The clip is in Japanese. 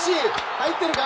入ってるか？